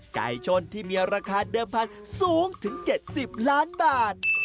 ไก่ชนที่มีราคาเดิมพันธุ์สูงถึง๗๐ล้านบาท